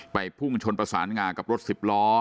พุ่งชนประสานงากับรถสิบล้อ